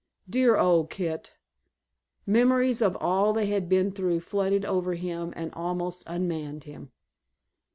Dear old Kit! Memories of all they had been through flooded over him and almost unmanned him.